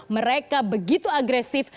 mereka begitu agresif